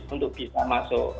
untuk bisa masuk